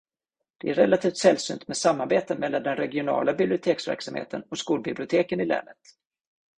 Det är relativt sällsynt med samarbete mellan den regionala biblioteksverksamheten och skolbiblioteken i länet.